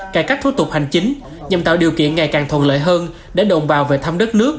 cải cách thủ tục hành chính nhằm tạo điều kiện ngày càng thuận lợi hơn để đồng bào về thăm đất nước